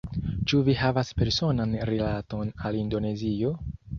Ĉu vi havas personan rilaton al Indonezio?